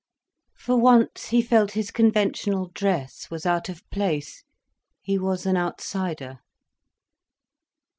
For once he felt his conventional dress was out of place, he was an outsider.